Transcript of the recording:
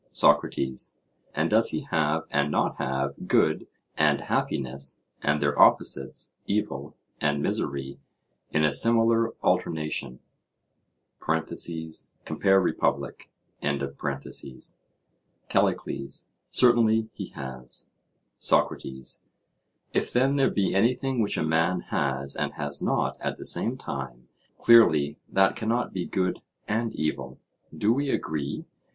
SOCRATES: And does he have and not have good and happiness, and their opposites, evil and misery, in a similar alternation? (Compare Republic.) CALLICLES: Certainly he has. SOCRATES: If then there be anything which a man has and has not at the same time, clearly that cannot be good and evil—do we agree?